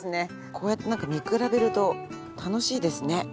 こうやって見比べると楽しいですね。